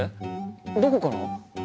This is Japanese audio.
どこから？